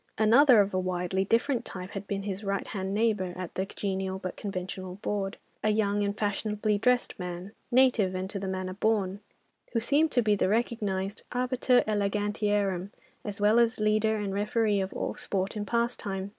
Another of a widely different type had been his right hand neighbour at the genial but conventional board—a young and fashionably dressed man, "native and to the manner born," who seemed to be the recognised arbiter elegantiarum, as well as leader and referee of all sport and pastime.